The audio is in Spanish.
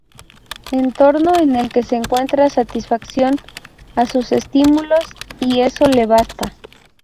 Entorno en el que encuentra satisfacción a sus estímulos y eso le basta.